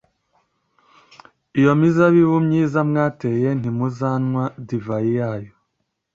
iyo mizabibu myiza mwateye ntimuzanywa divayi yayo.